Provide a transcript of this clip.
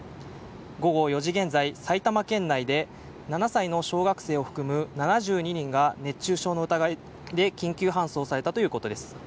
午後４時現在、埼玉県内で７歳の小学生を含む７２人が熱中症の疑いで緊急搬送されたということです。